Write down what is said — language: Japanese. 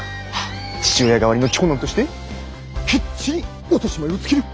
父親代わりの長男としてきっちり落とし前をつける。